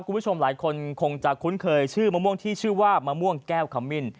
คุณผู้ชมหลายคนคงจะคุ้นเคยชื่อมะม่วงที่ชื่อว่ามะม่วงแก้วขมิ้น